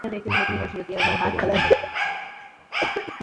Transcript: If you had not forgotten the umbrella, you would not have caught a cold.